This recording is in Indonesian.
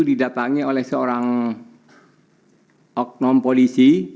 didatangi oleh seorang oknum polisi